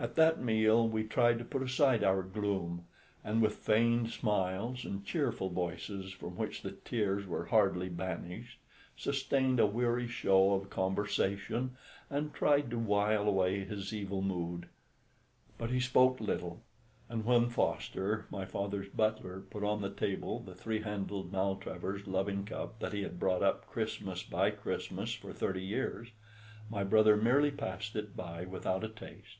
At that meal we tried to put aside our gloom, and with feigned smiles and cheerful voices, from which the tears were hardly banished, sustained a weary show of conversation and tried to wile away his evil mood. But he spoke little; and when Foster, my father's butler, put on the table the three handled Maltravers' loving cup that he had brought up Christmas by Christmas for thirty years, my brother merely passed it by without a taste.